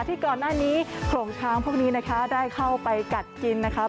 ที่ก่อนหน้านี้โขลงช้างพวกนี้นะคะได้เข้าไปกัดกินนะครับ